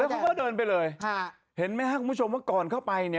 เขาก็เดินไปเลยเห็นไหมครับคุณผู้ชมว่าก่อนเข้าไปเนี่ย